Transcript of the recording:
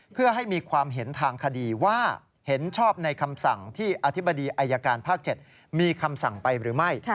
เพื่อให้มีความเห็นทางคดีว่าเห็นชอบในคำสั่งที่อธิบดีอายการภาค๗มีคำสั่งไปหรือไม่